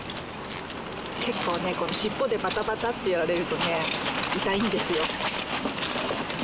結構ねこの尻尾でバタバタってやられるとね痛いんですよ。